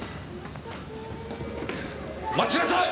待ちなさい！